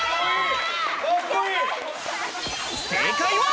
正解は。